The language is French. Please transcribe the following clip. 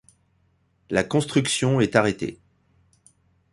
La construction est arrêtée.